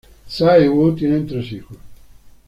Tsai y Wu tienen tres hijos.